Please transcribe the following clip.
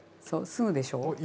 そうすぐでしょう？